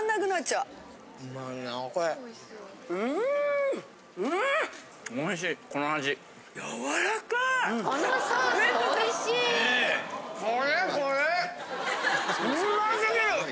うますぎる！